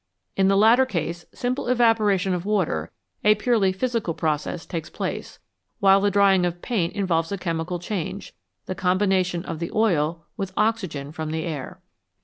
In the latter case simple evaporation of water, a purely physical process, takes place, while the drying of paint involves a chemical change, the com bination of the oil with oxygen from the air.